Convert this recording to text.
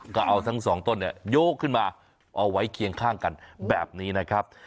ก็เอาทั้งสองต้นเนี่ยโยกขึ้นมาเอาไว้เคียงข้างกันแบบนี้นะครับ